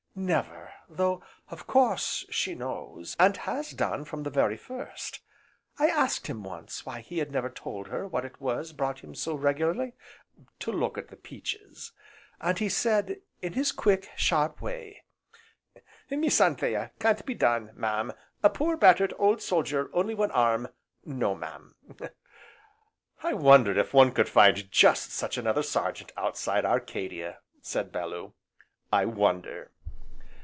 "Never, though, of course, she knows, and has done from the very first. I asked him once, why he had never told her what it was brought him so regularly, to look at the peaches, and he said, in his quick, sharp way: 'Miss Anthea, can't be done, mam, a poor, battered, old soldier, only one arm, no mam.'" "I wonder if one could find just such another Sergeant outside Arcadia," said Bellew, "I wonder!"